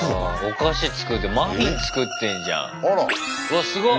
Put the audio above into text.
お菓子作ってマフィン作ってんじゃん。わすごっ！